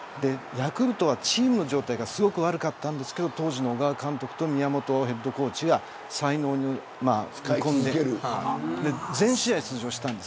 ヤクルトはチーム状態がすごく悪かったんですが当時の小川監督と宮本ヘッドコーチが才能を見込んで全試合出場しました。